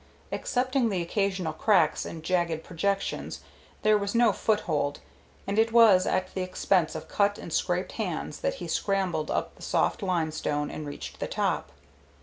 Excepting the occasional cracks and jagged projections there was no foothold, and it was at the expense of cut and scraped hands that he scrambled up the soft limestone and reached the top.